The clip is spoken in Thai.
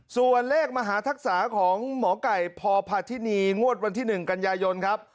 ส่วนเลขมหาทักษะของหมอไก่พพาธินีงวดวันที่๑กันยายนครับ